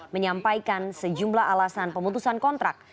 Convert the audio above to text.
menyampaikan sejumlah alasan pemutusan kontrak